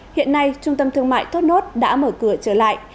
hiện nay trung tâm thương mại thốt nốt đã mở cửa trở lại